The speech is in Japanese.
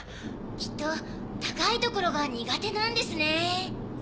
きっと高い所が苦手なんですね。